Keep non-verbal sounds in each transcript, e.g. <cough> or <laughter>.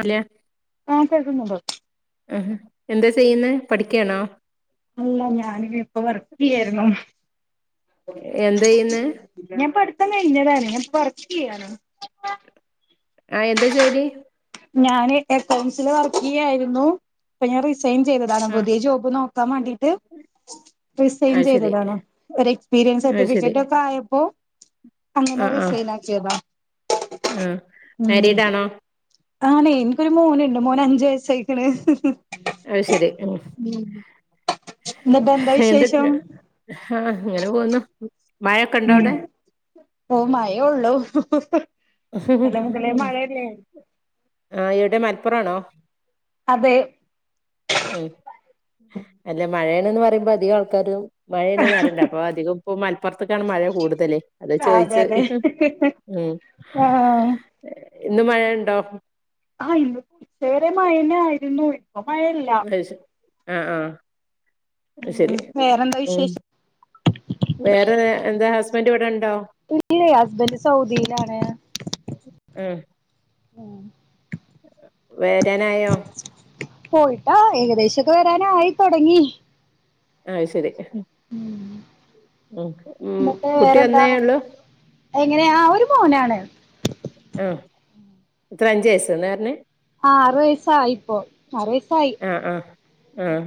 അലെ ആ കേൾക്കുന്നുണ്ട് ഹ് എന്താ ചെയ്യുന്ന് പഠിക്കാണോ അല്ല ഞാനി ഇപ്പ വർക്കിയ്യായിരുന്നു എന്തായ്യുന്ന് ഞാൻ പഠത്തം കഴിഞ്ഞതാണ് ഞാപോ വർക്ക് ചെയ്യാനാണ് ആ എന്താ ജോലി ഞാന് എക്കൗണ്ട്സില് വർക്കി യ്യായിരുന്നു ഇപ്പൊ ഞാൻ സെൻ ചെയ്താണ് ആഹ് പുതിയ ജോബ് നോക്കാൻ വേണ്ടിട്ട് റിസൈൻ അത് ശരി ചെയ്തതാണ് ഒരു എക്സ്പീരിയൻസ് അത് ശരി സർട്ടിഫിക്കറ്റൊക്കെ ആയപ്പോ അങ്ങനെ ആഹ് ആഹ് റീസൈൽ ആക്കിയതാ ആഹ് ഉ മാരീഡ് ആണോ ആണെയ് എനിക്കൊരു മോന്ണ്ട് മോന് അഞ്ച്വയസായിക്ക്ണ്. അത് ശരി ഉം എന്നിട്ട് എന്താ വിശേഷം? ആഹ അങ്ങനെ പോവുന്നു മയൊക്കെ ഇണ്ടോ ഉം അവിടെ? ഓ മയേ ഒള്ളു. ആ എവിടെ മലപ്പുറാണോ? അതെ. ഉം അല്ല മഴയാണെന്ന് പറയുമ്പോ അധികം ആൾക്കാരും. മഴയേണ്ന്ന് പറയ്ണ്ട് അപ്പൊ അധികം ഇപ്പ മലപ്പുറത്ത്ക്കാണ് മഴ കൂടുതല് അതാ അതെ ചോയിച്ചത്. അതെ ഉം ആഹ് ഇന്ന് മഴയുണ്ടോ? ആഹ് ഇന്ന് ഇതേരെ മഴേനെ ആയിരുന്നു ഇപ്പ മഴയില്ല. അയ്ശരി ആ ആഹ് അയ് ഉം ശരി വേറെന്താ ഉം വിശേഷം വേറെ എന്താ ഹസ്ബൻറ് ഇവിടെ ഇണ്ടോ? ഇല്ലേ ഹസ്ബൻഡ് സൗദിയിലാണ് ആഹ് ഉം വേദനായോ? പോയിട്ടാ ഏകദേശൊക്കെ വരാനായി ത്തൊടങ്ങി. അയ് ശരി. ഉം എന്നിട്ട് കുട്ടി വേറെന്താ ഒന്നേ ഉള്ളു. എങ്ങനെയാ ഒരു മോനാണ്. ആ എത്രയാ അഞ്ച് വയസ് ന്നല്ലെ റഞ്ഞേ? ആഹ് ആറ് വയസ്സായിപ്പോ ആറു വയസായി. ആഹ് ആ ആഹ്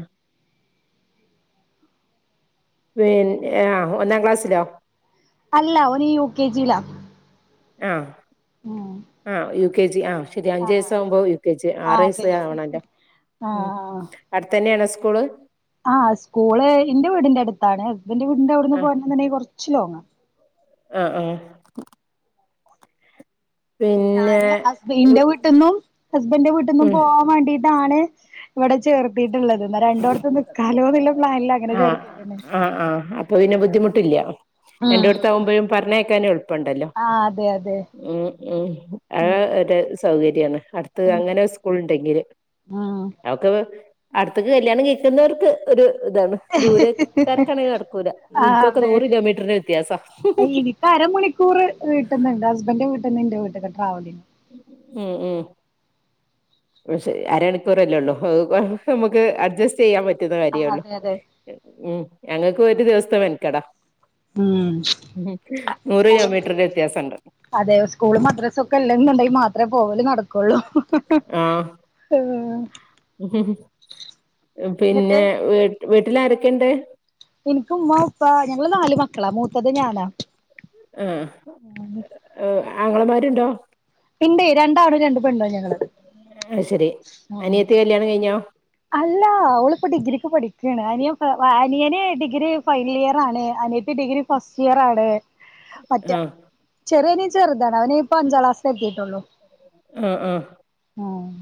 പിന്നെ എ ആഹ് ഒന്നാം ക്ലാസ്സിലോ? അല്ല ഓന് യു കെ ജിയിലാ. ആഹ് ഉം ആഹ് യു കെ ജി ആഹ് ശരി അഞ്ച് ആഹ് വയസ്സ് ആവുമ്പോ യു കെ ജി ആറു ആഹ് അതെ വയസ് ആവണ ല്ലേ ഉ ആഹ് അടുത്തന്നെയാണോ സ്കൂള്? ആഹ് സ്കൂള് ഇന്റെ വീടിന്റെ അടുത്താണ് ഹസ്ബൻഡറ് വീടിന്റെ അവിടുന്ന് ആഹ് പോണെന്ന് ണ്ടെങ്കി കൊറച്ച് ലോങ്ങാ. ആഹ് ആഹ് പിന്നെ ഞാന് ഹസ്ബന്റെ വീട്ടി ന്നും ഹസ്ബൻഡിന്റെ വീട്ടിൽ നിന്നും ഉം പോവാൻ വേണ്ടീട്ടാണ്. ഇവിടെ ചേർത്തിട്ടുള്ളത് എന്നാ രണ്ടോട്ത്തും നിൽക്കാലോന്നുള്ള പ്ലാനില്ല അങ്ങനെ ആഹ് ചേർത്തിക്ണെ ആഹ് ആഹ് അപ്പൊ പിന്നെ ബുദ്ധിമുട്ടില്ല രണ്ടോട്ത്താകുമ്പോഴും പറഞ്ഞേക്കാന് എളുപ്പണ്ടല്ലോ. ആ അതെ അതെ ഉം ഉം <unintelligible> സൗകര്യാണ് അടുത്ത് അങ്ങനെ സ്കൂൾ ഉണ്ടെങ്കില് അവ്ക്ക്. അടുത്ത്ക്ക് കല്യാണം കഴിക്കുന്നോർക്ക് ഒരു ഇതാണ്. ദൂരെക്കാർക്കാണെങ്കിൽ നടക്കൂല ആ എനിക്കൊക്കെ അതെ നൂറ് കിലോമീറ്ററിന്റെ വ്യത്യാസ. എനിക്ക് അരമണിക്കൂർ വീട്ട്ന്നുണ്ട് ഹസ്ബൻഡിന്റെ വീട്ടിൽന്ന് ഇന്റെ വീട്ട്ക്ക് ട്രാവലിങ്. ഉം ഉം അയ് ശെരി അരമണിക്കൂറല്ലേ ഒള്ളൂ അ നമുക്ക് അഡ്ജസ്റ്റ് ചെയ്യാൻ പറ്റുന്ന ആ കാര്യാണ്. അതെ അതെ ഉം ഞങ്ങൾക്ക് ഒരു ദിവസത്തെ മെനക്കേടാ. ഉം നൂറ് കിലോമീറ്ററിന്റ വ്യത്യാസാണ്. അതെ സ്കൂളും മദ്രസ ഒക്കെ ഇല്ലാംന്നിണ്ടെങ്കി മാത്രമേ പോകല് നടക്കുള്ളൂ. ഹി ഹി ഉം എന്നിട്ട് പിന്നെ വീട്ടിൽ വീട്ടിൽ ആരൊക്കെയുണ്ട്. എനിക്ക് ഉമ്മ ഉപ്പ ഞങ്ങള് നാല് മക്കളാ മൂത്തത് ഞാനാ. ആഹ് ആങ്ങളമാരുണ്ടോ? ണ്ട് രണ്ടാണും രണ്ട് പ് അത് ശരി ആഹ് അനിയത്തി കല്യാണം കഴിഞ്ഞോ അല്ല അവളിപ്പൊ ഡിഗ്രിക്ക് പഠിക്കാണ് അനിയൻപ്പോ അനിയന് ഡിഗ്രി ഫൈനൽ ഇയർ ആണ് അനിയത്തി ഡിഗ്രി ഫസ്റ്റ് ഇയർ ആണ്. മറ്റേ ആഹ് ചെറിയന് ചെറുതാണ് അവനിപ്പ അഞ്ചാം ക്ലാസ്സിലെത്തിട്ടൊള്ളു. ആഹ് ആഹ് ആഹ്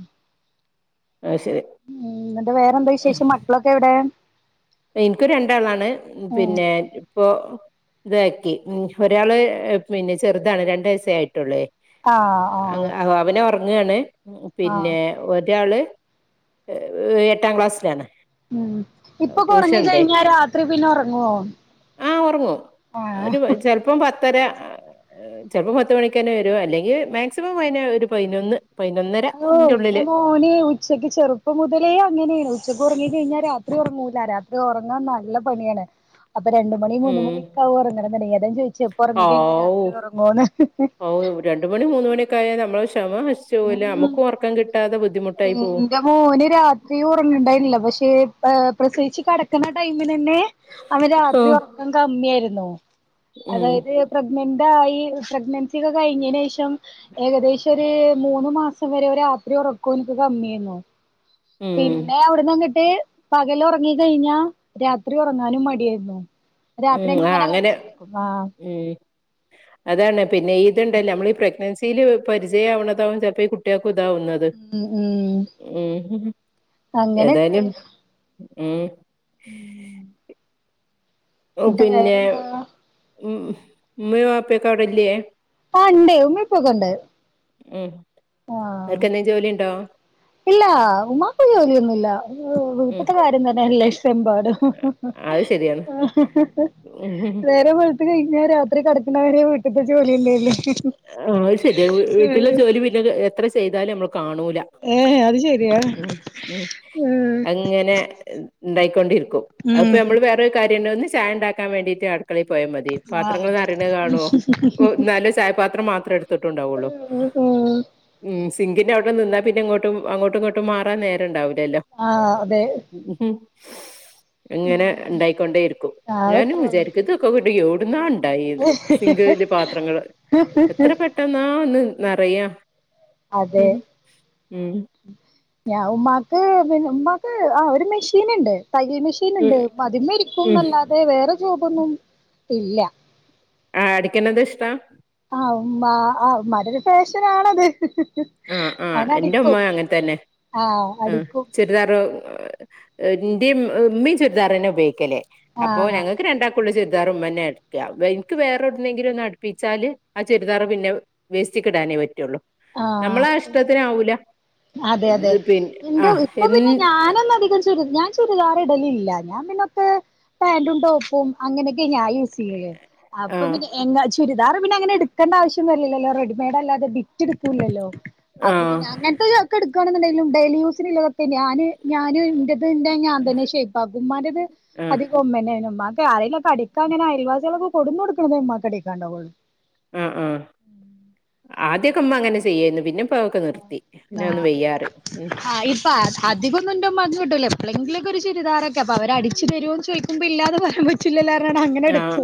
അയ് ശരി ഉം ന്നട്ട് വേറെന്താ വിശേഷം, മക്കളൊക്കെവിടെ എൻക്കും രണ്ടാളാണ് ഉം പിന്നെ പ്പൊ ഇതേക്കി, ഉം ഒരാള് പിന്നെ ചെർതാണ് രണ്ടയസ്സേ ആയിട്ടൊള്ളേയ് ആഹ് അങ്ങ ആഹ് അവ അവന് ഒറങ്ങാണ്, ആഹ് പിന്നെ ഒരാള് എട്ടാം ക്ലാസ്സിലാണ്. ഉം ട്യൂഷൻ ഇപ്പൊക്കൊറങ്ങി ഉണ്ടേ കഴിഞ്ഞാ രാത്രി പിന്നെ ഒറങ്ങുവോ ആഹ് ഒറങ്ങും, ആഹ് ഒരു ചെൽപ്പം പത്തര ചെലപ്പോ പത്തു മണിക്കെന്നെ വരും അല്ലെങ്കിൽ മാക്സിമം പയനൊ ഒരു പയിനൊന്ന് പയിനൊന്നര ഓഹ് ഇന്നെന്താ ഓനെയ് ഉച്ചക്ക് ചെറുപ്പം മുതലേ അങ്ങനേണ് ഉച്ചക്ക് ഒറങ്ങി കഴിഞ്ഞാ രാത്രി ഒറങ്ങൂല, രാത് ത്രി ഒറങ്ങാൻ നല്ല പണിയാണ് അപ്പ രണ്ടു മണി മൂന്ന് ഉം മണിയൊക്കാകും ഉറങ്ങണന്നുണ്ടെങ്കി അതാ ഞാൻ ചോയ്ച്ച് ഇപ്പൊ ഒറങ്ങി കഴിഞ്ഞാ രാത്രി ഒറങ്ങോന്ന്. രണ്ടു മണി മൂന്ന് മണിയൊക്കായ ഞമ്മള് ക്ഷമ നശിച്ച് പോവുലെ, ഉം അമ്മക്കും ഒർക്കം കിട്ടാതെ ബുദ്ധിമുട്ടായിപ്പോവും. ഓന്ന് രാത്രി ഒർങ്ങ്ണ്‌ണ്ടായ്ന്നില്ല, പക്ഷേ ഏഹ് പ്രസവിച്ച് കടക്ക്ണ ടൈമിലെന്നെ അവന് ഓ രാത്രി ഒറക്കം കമ്മിയായിരുന്നു. ഉം അതായത് പ്രഗ്നെന്റ് ആയി പ്രഗ്നൻസി ഒക്കെ കഴിഞ്ഞേനേഷം ഏകദേശൊര് മൂന്ന് മാസം വരെ ഓൻ രാത്രി ഒറക്കൊൻക് കമ്മിയേന്നു. പിന്നെ ഉം പിന്നെ അവിടുന്നങ്ങട്ട് പകലൊറങ്ങി കഴിഞ്ഞാ രാത്രി ഒറങ്ങാനും മടിയായിരുന്നു. രാത്രി ഉം ആ അങ്ങനെ കളിച്ചടക്കും ആഹ് ഉം അതാണ് പിന്നെ ഇതുണ്ടല്ലോ നമ്മളീ ഈ പ്രഗ്നൻസിൽ പരിചയാവുണതാവും ചെൽപ്പോ ഈ കുട്ടികക്കും താവുന്നത്. ഉം ഉം ത് ഉം അങ്ങനെയൊക്കെ ഏതായാലും ഉം ഉം ഓഹ് പിന്നെ ഉം ഉമ്മീം വാപ്പിയൊക്കെ അവടല്യേ ആഹ് ഇണ്ടെയ് ഉമ്മി പ്പിയൊക്കെണ്ട് ഉം അവർക്കെന്തേം ജോലിണ്ടോ ഇല്ലാ ഉമ്മാക്ക് ജോലിയൊന്നുല്ല. ഉം വീട്ട്ത്തെ കാര്യം തന്നെല്ലേ ഇഷ്ട്ടമ്പാടു. അത് ശരിയാണ് ഉം നേരം വെളുത്ത് കഴിഞ്ഞ രാത്രി കടക്ക്ണവരെ വീട്ട്ത്തെ ജോലിയെല്ലേള്ളെ ആഹ് അത് ശര്യാ. വീ വീട്ടിലെ ജോലി പിന്നെ എത്ര ചെയ്താലും അമ്മള് കാണൂ ഏഹ് അത് ശരിയാ ഉം ഉം അങ്ങനെ ഇണ്ടായിക്കൊണ്ടിരിക്കും. അപ്പോ നമ്മള് ഉം വേറൊരു കാര്യണ്ടൊന്ന് ചായ ഇണ്ടാക്കാൻ വേണ്ടിട്ട അടു ക്കളി പോയാ മതി, ആഹ് പാത്രങ്ങള് അതെ നറീണത് കാണോ, ഉം ന്നാലുസ് പാത്രം മാത്രേ എടുത്തിട്ടു ണ്ടാവുള്ളൂ സിങ്കിന്റെ അവടെ നിന്നാ പിന്നെ ഇങ്ങോട്ടും അങ്ങോട്ടും ഇങ്ങോട്ടും മാറാൻ നേരണ്ടാവില്ലല്ലോ ആഹ് അതെ ഉം ഇങ്ങനെ ഇണ്ടായിക്കൊണ്ടേയിരിക്കും. ഞാനും അതത്രേള്ളൂ വിചാരിക്കും ഇത് ക്കൂടി എവിടുന്നാണ്ടായിന്ന് സിങ്കില് പാത്രങ്ങള് എത്ര പെട്ടെന്നാ ഒന്ന് നറയാ അതെ ഞ ഉമ്മാക്ക് പിന്നെ മ്മാക്ക് ആഹ് ഒരു മെഷീന്‌ണ്ട് തയ്യൽ മെഷീൻ ഉം ഷീനിണ്ട് പ്പ ഉം അതിമ്മരിക്കുന്നല്ലാതെ വേറെ ജോബൊന്നും ഇല്ല. ആഹ് അടിക്കണെത് ഇഷ്ടാ ആഹ് ഉമ്മാ അ ഉമ്മാടൊരു ഫേഷനാണത്.. ആഹ് ആഹ് എന്റെ അവ്നെടിക്കും, ഉമ്മ അങ്ങനെ തന്നെ ആഹ് അടിക്കും.. ചുരിദാറ് ന്റ ഇമ്മ ചുരിദാറുതന്ന ഉപയോഗിക്കല് അപ്പോ ആഹ് ഞങ്ങക്ക് രണ്ടാക്കു ഫുള്ള് ചുരുദാർ ഉമ്മന്ന അടിക്ക. എന്ക് വേറെവിടുന്നെങ്കിലും ഒന്ന അടുപ്പിച്ചാല് ആ ചുരിദാർ പിന്നെ വേസ്റ്റിക്കിടാനേ പറ്റൊള്ളൂ.. ആ. അതെ അതെ ഇത് പിന്നെ ഇന്റെ ആഹ് ഇപ്പൊ എ പിന്നെ ഞാനൊന്നധികം ചു. ചുരി ഞാൻ ചുരിദാറിടലില്ല, ഞാൻ പിന്നൊക്കെ പാന്റും ടോപ്പും. അങ്ങനെയൊക്കെ. ഞായൂസ്യ്യല് അപ്പൊ ആഹ് പിന്നെ എങ്ങ ചുരി ദാറ് പിന്നെ അങ്ങനെ എടുകണ്ട ആവശ്യ വാര്ന്നില്ലല്ലോ. റെഡിമെയഡ്ല്ലതെ ബിറ്റ്ടുകുലല്ലോ.. അത് ആഹ് പിന്നെ. അങ്ങൻതൊക്കെ എടുക്കുകയാണെന്നണ്ടെങ്കിലും ഡെയിലി യൂസ്നുള്ളതോക്കെ. ഞാന്. ഞാനും ന്റെപ്പ.. അന്റെ ഞാൻ തന്നെ ശൈപാക്കും ഉമ്മാന്റെത് ആഹ് അധികൊ മ്മനെണ്. ഉമ്മാക് ആരെലൊക്കെ.. പ്പടിക്കാങ്ങന അയൽവാസളൊക്ക കൊടുന്നൊടുക്ണതെ മ്മാക് അടിക്കാൻണ്ടാവുള്ളു.. ഉം ഉം ആദ്യകെ മ്മഅങ്ങനെ ചെയ്യായിര്ന്നു. പിന്നെ.. പ്പ അവൊക്കെ നിർത്തി പിന്ന ഒന്ന് വെയ്യാറിം. അപ്പ അധികംന്നു. ന്റുമ്മാക്കിട്ടൂല യെപ്ളേങ്കിലും. ഒരു ചരിദാരൊക്കെ അപ്പോ അവര് അടിച്ച് തരോ ചോദിക്കുമ്പോ ഇല്ലാന്ന് പറ... മ്മച്ചില്ലല്ലോ ആഹ് അങ്ങനെടുക്കു..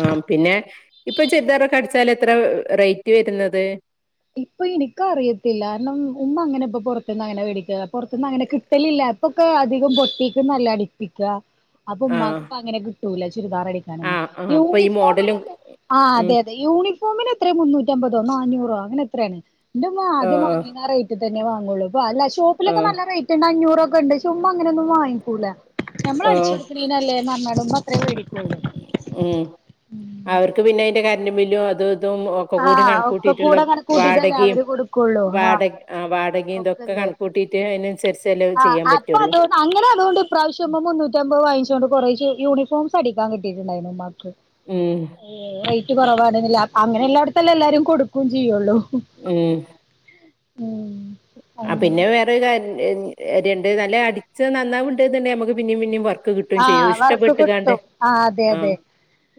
ആഹ് പിന്നെ. ഹ്. ഇപ്പൊ ചെരിദാറൊകെ അടിച്ചാൽ എത്ര റൈറ്റ് വര്ന്നത്.. ഇപ്പൊ ഇനിക്കറിയത്തില്ല രണം ഉമ്മ അങ്ങനെ ഇപ്പൊ പുറത്തുനിന്ന് അങ്ങനെ മേടിക്ക പുറത്തുനിന്ന് അങ്ങനെ കിട്ട്.. ട്ടലില്ല ഇപ്പൊക്കെ അധികം പൊട്ടിക്ക് നല്ല അടിപ്പികാ.. അപ്പൊ ആഹ് ഉമ്മാക്ക് ഇപ്പ അങ്ങനെ കിട്ടൂല ചുരിദാർ അടിക്കാനൊന്നു. ആഹ് ആഹ് അപ്പൊ ഈ മോഡലും യൂണിഫോമിനെക്കേ. ആഹ് ഉം അതെ. അതെ.. യൂണിഫോമിനെത്രേ. മുന്നൂറ്റി അമ്പതോ. ന്നനൂറോ. അങ്ങനെ എത്രണ്. എന്റെമ്മ ആദ്യം ആഹ് വാങ്ങിന്ന ആ റൈറ്റ്.. തന്നെ വാങ്ങോള്ളൂ അപ്പ അല്ല ഷോപ്പിലൊക്ക ആഹ് നല്ല റേറ്റ്ണ്ട് അഞ്ഞൂറൊക്കെണ്ട് ശുമ്മ അങ്ങനൊന്നുവാങ്ങിക്കൂല.. നമ്മൾ ആഹ് അടിച്ചെടുക്കീനല്ലേന്നർഞ്ഞാലും. മ്മ അത്രേവേടികൊള്ളൂ.. മ്മ്ഹ്. അവർക്ക് പിന്നെ അയിന്റെ കരണ്ട ബില്ലും അത് തു.. അതും ഒക്കെ ആ കൂടി കണ ഒക്കെ കൂട്ടിട്ടുള്ള കൂടെ കണക്ക് കൂട്ടിട്ടല്ലേ വാടകിം അവര് കൊടുക്കുള്ളൂ വാടക ആ വാടകിം ഇതൊക്കെ ഒക്കല്ലേ കണ.. കൂട്ടിട്ടെ അയിനനുസരിച്ച് അല്ലവും ആഹ് ചെയ്യൻ അപ്പൊ പറ്റൊള്ളൂ.. അതോ അങ്ങനെ അതുണ്ട് ഇപ്രാവശ്യം മ്മ മുന്നൂറ്റ അമ്പത് വാങ്ങിച്ചോണ്ട് കുറശേ യൂണിഫോംസ് അടിക്കാ കിയിട്ടുണ്ടായിരുന്നു ഉമ്മാക്.. ഉം എഹ് റേറ്റ് കൊറവാണിന്നില്ലേ. അങ്ങനെ എല്ലാരും കൊടുക്കു ചെയ്യുള്ളൂ.. ഉം ഉം ആ പിന്നെ അങ്ങനെ വേറെരു കരയണ്ട്. എന്റെത് നല്ല അടിച്ച നന്നാവുണ്ട്ന്ന്ണ്ടെങ്കി നമ്മുക്ക്. പിന്നിം. പിന്നിം.. ക് കിട്ടും ചെയ്യും ആഹ് വർക്ക് ഇഷ്ടപ്പെട്ടുകാണ്ട് കിട്ടും അതെ ആഹ് അതെ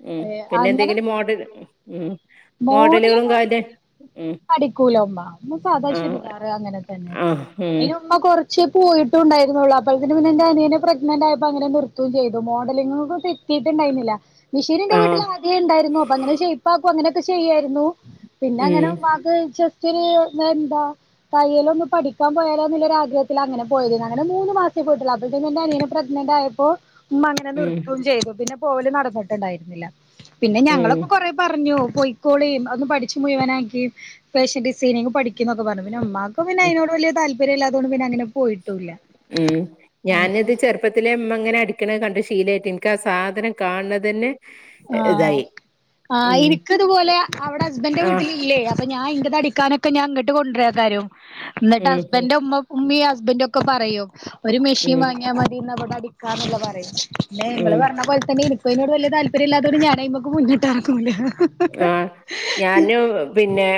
മ്മ്ഹ്. പിന്നെ അങ്ങനെ എന്തെങ്കിലും മോഡൽ മ്മ്ഹ്.. മോഡലൊന്നും ഉം അടിക്കൂലഉമ്മ മ്മ ആ സാദാചുരിദാർ.. അഹ് അങ്ങനെ തന്നെ ആ ഉം ഇനി ഉമ്മ കൊർ ച്ചു. പോയിട്ടണ്ടായിരുന്നൊള്ളൂ അപ്പോഴതിന് പിന്നെ എന്റെ അനിയനെ പ്രഗ്നന്റ് ആയപ്പോ അങ്ങനെ നിർത്തും ചെയ്തു മോഡലിങ്ങനൊനി.. കിട്ടീട്ടുണ്ടായിന്നില്ല മിഷീനിന്റെ ആ വീട്ടിൽ ആദ്യേം ണ്ടായിരുന്നു അപ്പൊ അങ്ങനെ ഷയിപ്പാക്കും അങ്ങനെക്കെ ചെയ്യാരുന്നു.. പിന്നെ അങ്ങനെ ഉം ഉമ്മാക്ചുറ്റിയു ങ്ങെണ്ടാ.. തയ്യലൊന്ന്. പഠിക്കാൻ പോയാലോ എന്നുള്ള ആഗ്രഹത്തില്. അങ്ങനെ പോയതെന്ന്. അങ്ങന മൂന്ന് മാസേ പോയിട്ടൊള്ളു. അപ്പോഴത്തെക്. എന്റെ അനിയനെ പ്രഗ്നന്റ് ആയ് പ്പോ.. ഉമ്മ അങ്ങനെ ഉം നിർത്തു ചെയ്തു പിന്നെ പോവല് നടന്നിട്ടുണ്ടായിരുന്നില്ല പിന്നെ ഉം ഞങ്ങളൊക്കെ കൊറെ പറഞ്ഞു.. പൊയിക്കോളീം അത് പഠിച്ച് മുഴുവനാകിം.. ഫെഷൻ സൈനിങ് പഠിക്കിം ന്നൊക്ക പറഞ്ഞു പിന്ന മ്മാക്പിന്നെ ഉം അയി നോട് വല്ല്യ താല്പര്യല്ല്യതോണ്ട്. പിന്നങ്ങനെ പോയ്‌.. മ്മ്ഹ്. ഞാനിത് ചെറുപ്പ പ്പത്തിലേമ്മങ്ങനെ അടിക്കണ കണ്ട് ശീലയിട്ട് എനിക്ക് ആ സാധനം കാണ് ന്നതന്നെ.. ആഹ് ആ. ഇനിക്ക്തുപോലെ അവിടെ ഹസ്ബന്റെ ആ വീട്ടിൽ ഇല്ല്യേ.. അപ്പ ഞാൻ ഇന്റെതടിക്കാനൊക്കെ ഞാൻ ഇങ്ങട്ട് കൊണ്ടറെകാരം. എന്നിട്ട് ഉം ഹസ്ബന്റെ ഉമ്മ.. ഉമ്മീ ഹസ്ബൻറ്ക്കെ പറയും ഒരു മെഷീൻ ഉം വാങ്ങിയാ മതിന്നവിടെ അടിക്കാന്നുള്ള പറയും.. ല്ല ഞങ്ങള് ഉം പർണ പോലെ തന്നെ ഇന്ക്കും ആയിനോട് വല്ല്യ താല്പര്യല്ലാതോണ്ട്. ഞാനയിമക് മുന്നിട്ടെറങ്ങുലാ.. ആഹ് ഞാനു പിന്നെ..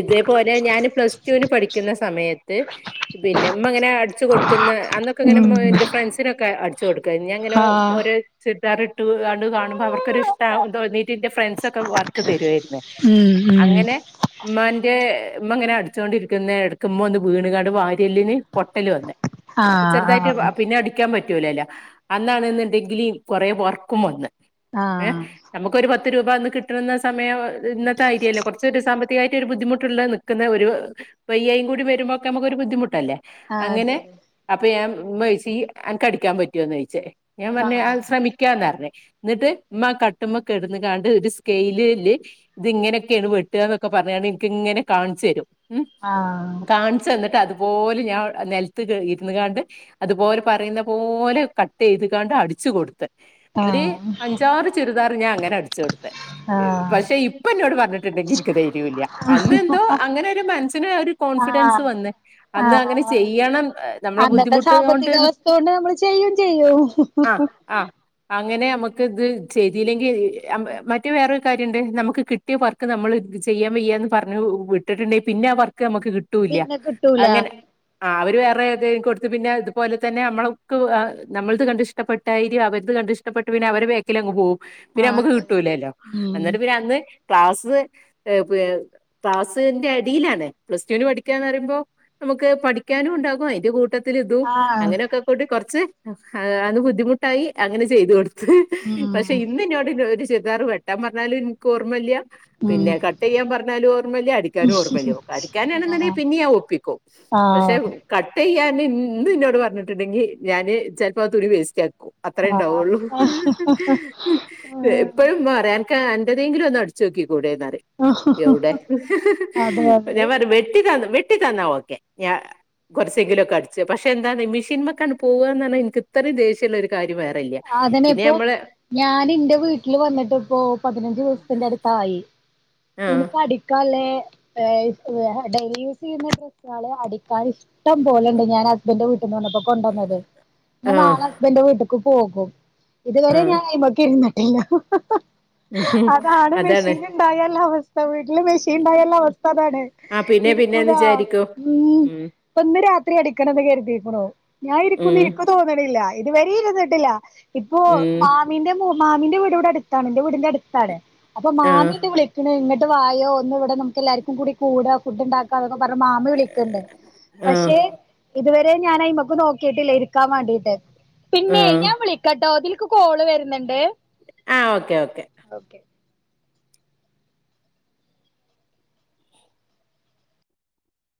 ഇതേപോലെ ഞാന് പ്ലസ് ടൂന് പഠിക്കുന്ന സമയത്ത് പിന്നെ മ്മങ്ങനെ അടിച്ച് കൊടുക്കന്നെ അന്നൊക്കെ ഇങ്ങനെ മ് ഉം എന്റെ ഫ്രണ്ട്സിനൊക്കെ അടി ച്ച് കൊടുക്കുവാരുന്നു ഞാൻ അങ്ങനെ ഓ ആഹ് ഓരോ ചുരിദാർ ഇട്ടു കണ്ട് കാണുമ്പോ അവർക്കൊരിഷ്ടാവൂതോന്നീട്ടിന്റെ ഫ്രണ്ട്സ് ഒക്ക് <unintelligible> വർക്ക് തരുവായിരുന്നേ ഉം ഉം അങ്ങനെ ഉമ്മാന്റെ ഉമ്മ ഇങ്ങനെ അടിച്ചുകൊണ്ടിരിക്കുന്ന എടക്കുമ്മ ഒന്ന് വീണു ങ്കാട് വാര്യല്ലിന് പൊട്ടല് വന്ന്. ചെറുതായിട്ട് വ ആഹ് പിന്നെ അടി ക്കാൻ പറ്റൂലല്ലോ അന്നാണെന്നെങ്കിലി കുറെ വർക്കും വന്നു ആഹ് ഏ ആഹ് നമു ഒരു പത്ത് രൂപ ഒന്ന് കിട്ടണുന്ന സമയം ഇന്നത്തെ രിയല്ലേ കുറച്ച് സാമ്പത് <unintelligible> ബുദ്ധിമുട്ടുള്ളത് നിൽക്കുന്നവര് വയ്യായികയും കൂടി വരുമ്പോക്കെ നമുക്കൊരു ബുദ്ധിമുട്ടല്ലേ. ആഹ് അങ്ങനെ അതെ അതെ അപ്പൊ ഞാൻ മമയ്‌വിഅൻ കടിക്കാൻ പറ്റുവോന്ന് ചോച്ച് ഞാൻ പറഞ്ഞ് ആഹ് അത് ശ്രമിക്കാന്ന് പറഞ്ഞേ എന്നിട്ട് മ കട്ടുമെക്കെടന്ന് കണ്ട് ഒരു സ് കെയിലല് ഇത് ഇങ്ങനെയൊക്കെയാണ് വെട്ടുകന്നൊക്കെ പറഞ്ഞാണ് എനിക്ക് ഇങ്ങനെ കാണിച്ചു തരും ഉ ആഹ കാണിച്ചു തന്നിട്ട് അതുപോലെ ഞാൻ അ നിലത്ത് ഇരുന്നുകാണ്ട് അതുപോലെ പറയുന്ന പോലെ കട്ട് ചെയ്ത് കണ്ട് അടിച്ചു കൊടുത്ത്. ഒരു ഏഹ് അഞ്ചാറ് ചുരിദാർ ഞാൻ അങ്ങനെ അടിച്ചു കൊടുത്തെ ആഹ് പക്ഷെ ഇപ്പൊ എന്നോട് പറ ന്നിട്ടുണ്ടെങ്കിൽ എനിക്ക് ധൈര്യല്ല അന്ന് എന്തോ അങ്ങനെ ഒരു മനസ്സിന് ഒരു കോൺഫിഡൻസ് ആഹ് വന്ന് അന്ന് അങ്ങനെ ആഹ് ചെയ്യണം അ നമ്മടെ അന്നത്തെ ബുദ്ധിമുട്ട് കൊണ്ട് സാമ്പത്തിക അവസ്ഥ കൊണ്ട് നമ്മള് ചെയ്യും ചെയ്യും ആ ആ അങ്ങനെ നമുക്ക് ഇത് ചെയ്തില്ലെങ്കിൽ അമ് മറ്റ് റ്റ് വേറൊരു കാര്യണ്ട് നമുക്ക് കിട്ടിയ വർക്ക് നമ്മള് ചെയ്യാൻ വയ്യാ എന്ന് പറഞ്ഞു വി വിട്ടിട്ടുണ്ടെ പിന്നെ ആ വർക്ക് നമുക്ക് കി കിട്ടൂല്ല പിന്നെ കിട്ടൂല അങ്ങനെ ആ അവര് വേറെ ഏതേം കൊടുത്ത് പിന്നെ ഇതുപോലെ തന്നെ നമ്മൾക്ക് നമ്മളത് കണ്ട് ഇഷ് ഇഷ്ടപ്പെട്ടായിരി അവരിത് കണ്ടിഷ്ടപ്പെട്ടുപിന്നെ അവര് വേ ക്കിലങ്ങ് പോവും പിന്നെ ആഹ് നമ്മുക്ക് അതെ കിട്ടൂലല്ലോ ഉം എന്നിട്ട് പിന്നെ അന്ന് ക്ലാസ്സ് അ പ് ക്ലാസ്സിന്റെ അടിയിലാണ് പ്ലസ് ടുൂവിന് പഠിക്കാന്ന് പറയുമ്പോ നമുക്ക് പഠിക്കാനും ഉണ്ടാകും അതിന്റെ കൂട്ട ത്തി ഇതും ആഹ് അങ്ങനെയൊക്കെ കുറച്ച് അന്ന് ബുദ്ധിമുട്ടായി അങ്ങനെ ചെയ്തു കൊടുത്തു. ഉം പക്ഷെ ഇന്ന്ന്നോട് ഇതോലത്തെ ചുരിദാറ് വെട്ടാൻ പറഞ്ഞാലും എനിക്ക് ഓർമ്മല്ല്യ ഉം പിന്നെ കട്ട് ചെയ്യാൻ പറഞ്ഞാലും ഓർമ്മയില്ല അടിക്കാനും ഓർമ്മയില്ല അടിക്കാനാണെന്നെങ്കിൽ പിന്നെയാ ഞാൻ ഒപ്പിക്കും. പക്ഷെ ആഹ കട്ട് ചെയ്യാൻ ഇന്ന്ന്നോട് പറഞ്ഞിട്ടുണ്ടെങ്കിൽ ഞാന് ചിലപ്പോ ആ തുണി വേസ്റ്റ് ആക്കും അത്രേ ആഹ് ഉണ്ടാവുള്ളൂ ആഹ് എപ്പോഴും മമപറയും അനക്ക് അന്റെ തെങ്കിലും ഒന്ന് അടിച്ച്നോക്കികൂടെ ന്നറെം എവിടെ അതെ അതെ ഞാ പറഞ്ഞ് വെട്ടി തന്ന വെട്ടി തന്നാ ഓക്കെ ഞ കുറച്ചെങ്കിലും ഒക്കെ അടിച്ച് പക്ഷെ എന്താണ് മിഷീൻ മെക്കണ് പോകന്ന് പറഞ്ഞാൽ എനിക്ക് ഇത്രയും ദേഷ്യള്ള ഒരു കാര്യം വേറെല്ല അതന്നെ പിന്നെ ഇപ്പൊ നമ്മള് ഞാൻ എന്റെ വീട്ടില് വന്നിട്ടിപ്പോ പതിനഞ്ചു ദിവസത്തിന്റെ അടുത്തായി ആഹ് എനിക്ക് അടിക്കാലേ ഡെ അ ഡെയിലി യൂസ് ചെയ്യുന്ന ഡ്രസുകളെ അടിക്കാൻ ഇഷ് ഇഷ്ടം പോലണ്ട് ഞാൻ ഹസ്ബന്റെ വീട്ടിൽന്ന് വന്നപ്പോ കൊണ്ടുവന്നത് ഞാൻ ആഹ് നാളെ ഹസ്ബന്റെ വീട്ടിക്ക് പോകും ഇതുവരെ ആഹ് ഞാൻ ഐമക്ക്‌ ഇരുന്നിട്ടില്ല. ഉം അതാണ് മെഷീൻ ഉണ്ടായള്ള അവസ്ഥ വീട്ടില് മെഷീൻ ഉണ്ടായള്ള ഉം. അവസ്ഥതാണ്. ആ പിന്നെ പിന്നെന്ന് ഇരിക്കൂലാ വിചാരിക്കും. മ് ഉം ഇന്ന് രാത്രി അടിക്കണെന്ന് കരുതിയിരിക്കണു ഞാന് ഇരിക്കുന്നു ഉം ഇനിക്ക് തോന്നണില്ല ഇത് വരേ ഇരുന്നിട്ടില്ല. ഇപ്പൊ ഉം മാമീന്റെ മു മാമിന്റെ വീടടുത്താണ് എന്റെ വീടിന്റെ അടുത്താണ് അപ്പൊ ആഹ് മാമി ട് വിളി പിന്നെ ഇങ്ങട്ട് വായോ ഇന്ന് ഇവിടെ നമുക്ക് എല്ലാവർക്കും കൂടി കൂടാ ഫുഡ് ഉണ്ടാക്കാം എന്നൊക്കെ പറഞ്ഞ് മാമി വിളിക്കണ്ട്. ആ പക്ഷെ ഇതുവരെ ഞാൻ അയിമെക്ക് നോക്കിട്ടില്ല ഇരിക്കാൻ വേണ്ടിട്ട് ആ പിന്നെ കേട്ടോ തിൽക്ക് കോള് വരുന്നുണ്ട്. ആ ഓക്കെ ഓക്കെ ഓക്കെ